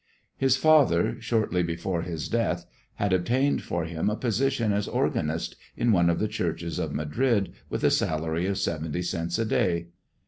His father, shortly before his death, had obtained for him a position as organist in one of the churches of Madrid, with a salary of seventy cents a day.